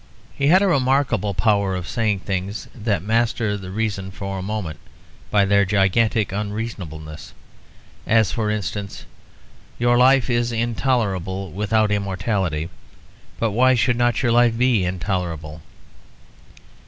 He had a remarkable power of saying things that master the reason for a moment by their gigantic unreasonableness; as, for instance, "Your life is intolerable without immortality; but why should not your life be intolerable?"